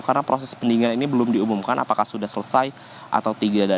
karena proses pendinginan ini belum diumumkan apakah sudah selesai atau tidak